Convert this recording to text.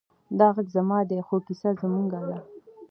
دا غږ زما دی، خو کیسه زموږ ده.